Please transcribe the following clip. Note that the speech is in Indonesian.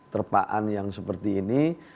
terpaan yang seperti ini